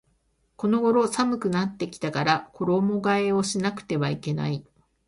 この頃寒くなってきたから衣替えをしなくてはいけない